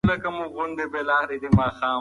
تاوان مې په صبر سره وزغمه او بیا مې کار پیل کړ.